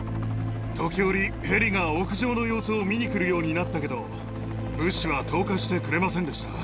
時折、ヘリが屋上の様子を見に来るようになったけど、物資は投下してくれませんでした。